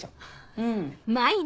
うん。